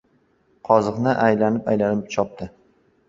Qoziqni aylanib-aylanib chopdi.